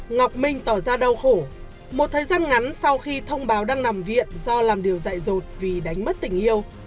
ngọc minh tỏ ra đau khổ một thời gian ngắn sau khi thông báo đang nằm viện do làm điều dạy rột vì đánh mất tình yêu